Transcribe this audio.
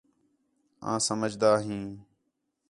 آں سمجھدا ھیں